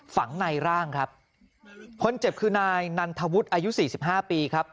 ฝังในร่างครับคนเจ็บคืนนายนันทวุฒิอายุ๔๕ปีครับ